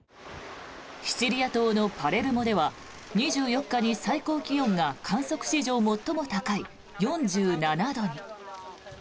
シチリア島のパレルモでは２４日に最高気温が観測史上最も高い４７度に。